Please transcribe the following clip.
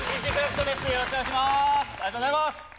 ありがとうございます！